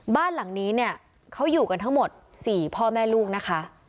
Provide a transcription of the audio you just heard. บ้านหลังนี้เนี่ยเขาอยู่กันทั้งหมด๔พ่อแม่ลูกนะคะ